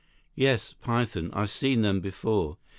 "Yes. Python. I've seen them before.